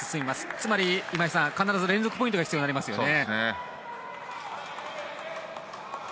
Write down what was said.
つまり、必ず連続ポイントが必要になりますね。